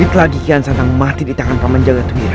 sedikit lagi kian santang mati di tangan paman jagadwira